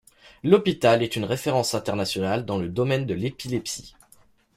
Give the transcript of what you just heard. L'hôpital est une référence internationale dans le domaine de l'épilepsie.